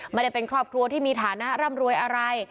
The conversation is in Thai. ไม่ได้เป็นครอบครัวที่มีฐานะร่ำรวยอะไร